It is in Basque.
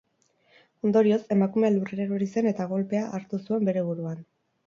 Ondorioz, emakumea lurrera erori zen eta kolpea hartu zuen buruan.